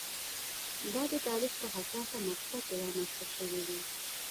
دا د تاریخ په حساسه مقطعه کې رامنځته شوې وي.